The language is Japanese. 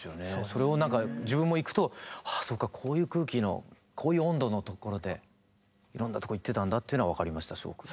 それをなんか自分も行くとああそうかこういう空気のこういう温度の所でいろんなとこ行ってたんだっていうのが分かりましたすごく。